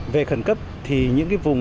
về khẩn cấp thì những vùng